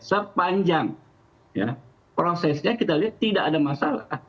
sepanjang prosesnya kita lihat tidak ada masalah